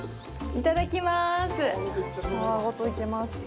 いただきまーす。